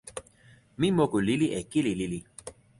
mi moku lili e kili lili.